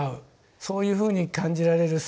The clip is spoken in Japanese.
そういうふうに感じられる寂しさ